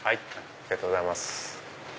ありがとうございます。